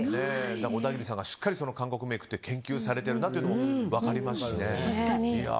小田切さんがしっかり韓国メイクを研究されているというのが分かりますしね。